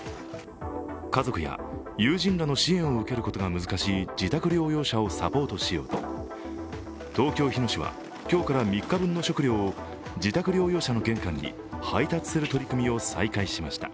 家族や友人らの支援を受けることが難しい自宅療養者をサポートしようと、東京・日野市は、今日から３日分の食料を自宅療養者の玄関に配達する取り組みを再開しました。